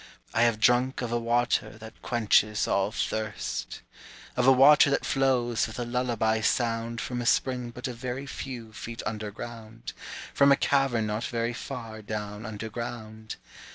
I have drunk of a water That quenches all thirst, Of a water that flows, With a lullaby sound. From a spring but a very few Feet under ground, From a cavern not very far Down under ground.